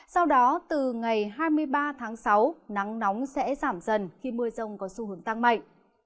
sau đó từ ngày hai mươi ba tháng sáu nắng nóng sẽ giảm dần khi mưa rông có xu hướng tăng mạnh